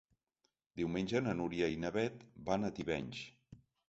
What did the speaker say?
Diumenge na Núria i na Beth van a Tivenys.